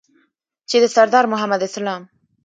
چې د سردار محمد اسلام